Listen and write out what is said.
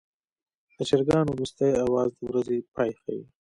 د چرګانو وروستی اواز د ورځې پای ښيي.